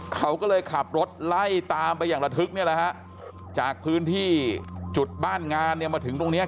เขาก็เลยขับรถไล่ตามไปอย่างระทึกเนี่ยแหละฮะจากพื้นที่จุดบ้านงานเนี่ยมาถึงตรงเนี้ย